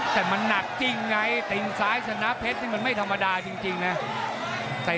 แต่มันหนักจริงไงติ่งซ้ายชนะเพชรนี่มันไม่ธรรมดาจริงนะ